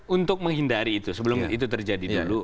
untuk menghindari itu sebelum itu terjadi dulu